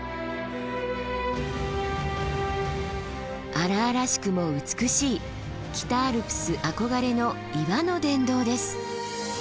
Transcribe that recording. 荒々しくも美しい北アルプス憧れの岩の殿堂です。